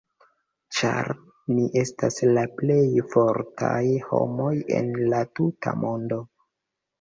Ĉar ni estas la plej fortaj homoj en la tuta mondo.